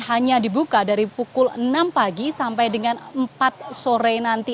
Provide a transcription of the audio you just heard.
hanya dibuka dari pukul enam pagi sampai dengan empat sore nanti